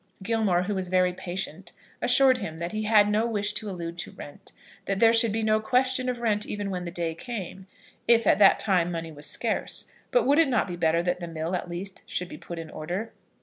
Gilmore, who was very patient, assured him that he had no wish to allude to rent; that there should be no question of rent even when the day came, if at that time money was scarce. But would it not be better that the mill, at least, should be put in order?